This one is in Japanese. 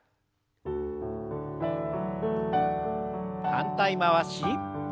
反対回し。